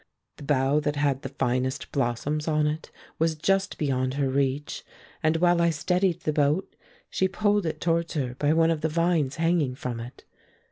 The bough that had the finest blossoms on it was just beyond her reach, and while I steadied the boat, she pulled it towards her by one of the vines hanging from it.